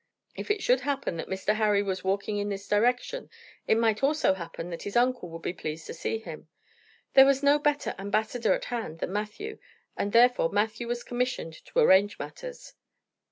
If it should happen that Mr. Harry was walking in this direction, it might also happen that his uncle would be pleased to see him. There was no better ambassador at hand than Matthew, and therefore Matthew was commissioned to arrange matters.